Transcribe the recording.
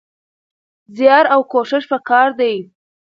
زيار او کوښښ پکار دی.